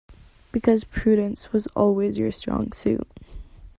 Because prudence was always your strong suit.